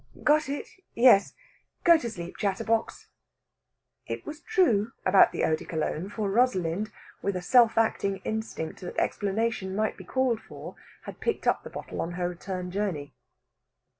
"Got it? Yes. Go to sleep, chatterbox." It was true about the eau de Cologne, for Rosalind, with a self acting instinct that explanation might be called for, had picked up the bottle on her return journey.